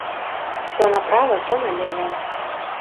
То направа, то налева.